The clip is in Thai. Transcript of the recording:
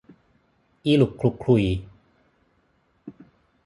อีหลุกขลุกขลุ่ย